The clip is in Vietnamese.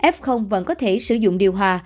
f vẫn có thể sử dụng điều hòa